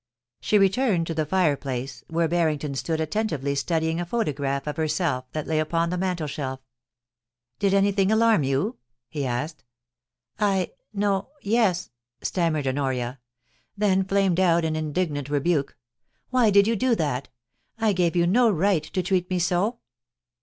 She returned to the fireplace, where Barrington stood attentively studying a photograph of herself that lay upon the mantelshelf. * Did anything alarm you ?* he asked. 'I — no — yes,* stammered Honoria; then flamed out in indignant rebuke, * Why did you do that ? I gave you no right to treat me so.'